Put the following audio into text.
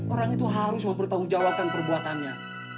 orang itu harus mempertahun tawakan perbuatannya